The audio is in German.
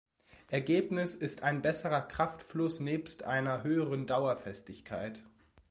Ergebnis ist ein besserer Kraftfluss nebst einer höheren Dauerfestigkeit.